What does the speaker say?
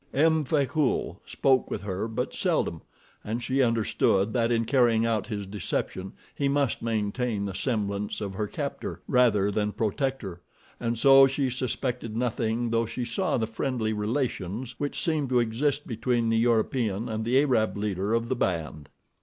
M. Frecoult spoke with her but seldom, and she understood that in carrying out his deception he must maintain the semblance of her captor, rather than protector, and so she suspected nothing though she saw the friendly relations which seemed to exist between the European and the Arab leader of the band.